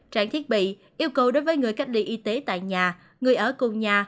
trang thiết bị yêu cầu đối với người cách ly y tế tại nhà người ở cùng nhà